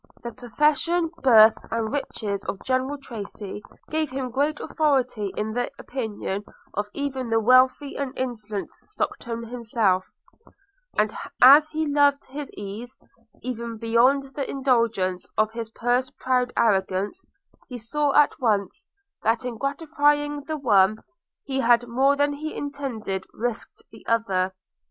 The profession, birth, and riches of General Tracy, gave him great authority in the opinion of even the wealthy and insolent Stockton himself; and as he loved his ease, even beyond the indulgence of his purse proud arrogance, he saw at once, that in gratifying the one, he had more than he intended risked the other.